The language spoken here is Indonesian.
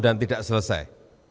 dan tidak selesai